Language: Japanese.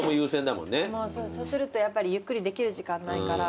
そうするとやっぱりゆっくりできる時間ないから。